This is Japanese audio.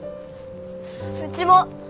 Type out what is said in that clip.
うちも！